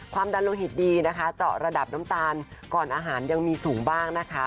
ดันโลหิตดีนะคะเจาะระดับน้ำตาลก่อนอาหารยังมีสูงบ้างนะคะ